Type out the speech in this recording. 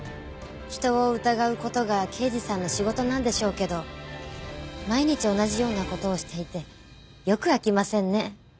人を疑う事が刑事さんの仕事なんでしょうけど毎日同じような事をしていてよく飽きませんね。